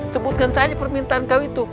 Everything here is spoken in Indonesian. sebutkan saja permintaan kau itu